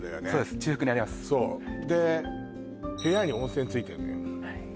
中腹にありますそうで部屋に温泉ついてんのよ